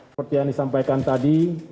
seperti yang disampaikan tadi